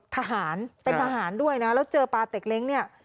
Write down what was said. ทหารเป็นทหารด้วยนะแล้วเจอปลาเต็กเล้งเนี่ย